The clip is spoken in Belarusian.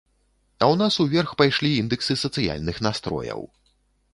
А ў нас уверх пайшлі індэксы сацыяльных настрояў.